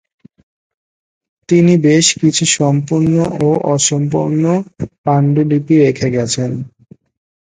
তিনি বেশ কিছু সম্পূর্ণ ও অসম্পূর্ণ পাণ্ডুলিপি রেখে গেছেন।